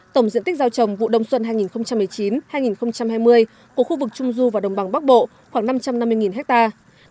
tổng diện tích giao trồng vụ đông xuân hai nghìn một mươi chín hai nghìn hai mươi của khu vực trung du và đồng bằng bắc bộ khoảng năm trăm năm mươi hectare